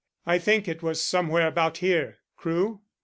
"I think it was somewhere about here, Crewe?